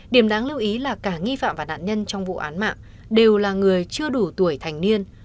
điểm đáng lưu ý là cả nghi phạm và nạn nhân trong vụ án mạng đều là người chưa đủ tuổi thành niên